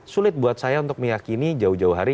sulit buat saya untuk meyakini jauh jauh hari